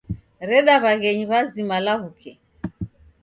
Reda w'aghenyi w'azima law'uke.